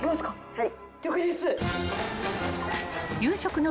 ・はい。